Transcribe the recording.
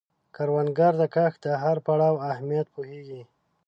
کروندګر د کښت د هر پړاو اهمیت پوهیږي